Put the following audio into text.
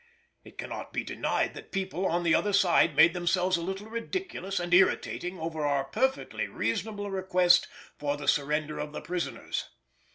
It cannot be denied that people on the other side made themselves a little ridiculous and irritating over our perfectly reasonable request for the surrender of the prisoners.